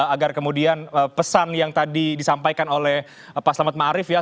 agar kemudian pesan yang tadi disampaikan oleh pak selamat marit ya